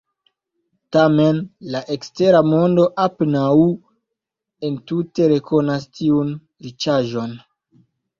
Tamen la ekstera mondo apenaŭ entute rekonas tiun riĉaĵon.